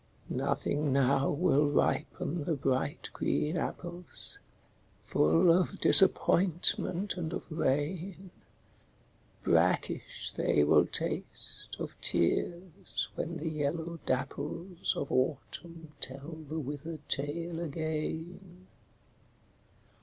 Nothing now will ripen the bright green apples, Full of disappointment and of rain, Brackish they will taste, of tears, when the yellow dapples Of Autumn tell the withered tale again.